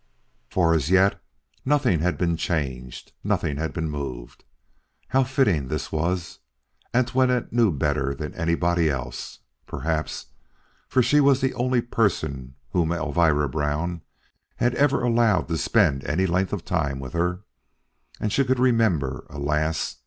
For as yet nothing had been changed, nothing had been moved. How fitting this was, Antoinette knew better than anybody else, perhaps, for she was the only person whom Elvira Brown had ever allowed to spend any length of time with her, and she could remember alas!